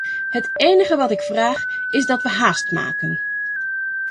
Het enige wat ik vraag, is dat we haast maken.